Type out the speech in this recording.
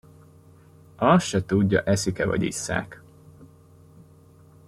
Azt se tudja, eszik-e vagy isszák.